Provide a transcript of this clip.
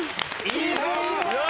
いいぞ！